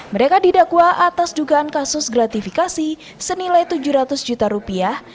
mereka didakwa atas dugaan kasus gratifikasi senilai tujuh ratus juta rupiah